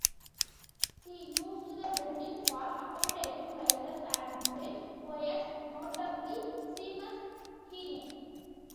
He used the building for accommodating writers and poets, notably Seamus Heaney.